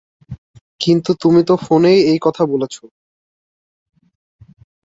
কিন্তু তুমি তো ফোনেই এই কথা বলেছো।